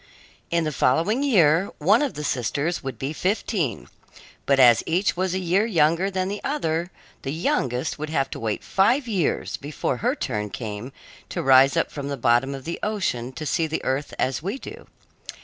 In the following year, one of the sisters would be fifteen, but as each was a year younger than the other, the youngest would have to wait five years before her turn came to rise up from the bottom of the ocean to see the earth as we do.